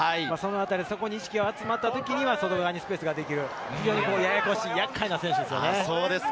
そこに意識が集まった時に外側にスペースができる、非常に厄介な選手です。